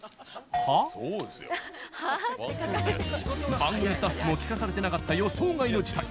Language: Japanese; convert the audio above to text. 番組スタッフも聞かされてなかった予想外の事態。